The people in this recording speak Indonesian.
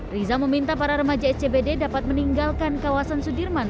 riza meminta para remaja scbd dapat meninggalkan kawasan sudirman